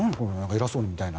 偉そうにみたいな。